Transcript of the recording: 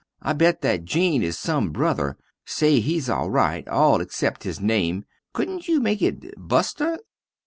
I bet that Jean is some brother, say hes al rite, all excep his name, coodnt you make it Buster?